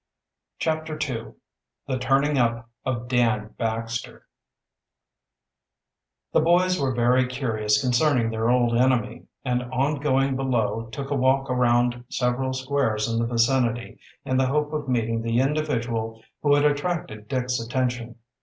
CHAPTER II THE TURNING UP OF DAN BAXTER The boys were very curious concerning their old enemy, and on going below took a walk around several squares in the vicinity, in the hope of meeting the individual who had attracted Dick's attention.